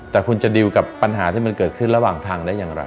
แต่คุณจะดิวกับปัญหาที่มันเกิดขึ้นระหว่างทางได้อย่างไร